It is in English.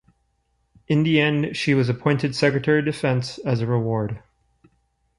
In the end she is appointed Secretary of Defense as a reward.